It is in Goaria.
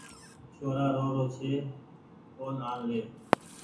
ڇورآن رو رو ڇي اون آن لي